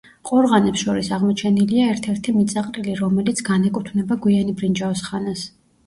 ყორღანებს შორის აღმოჩენილია ერთ-ერთი მიწაყრილი, რომელიც განეკუთვნება გვიანი ბრინჯაოს ხანას.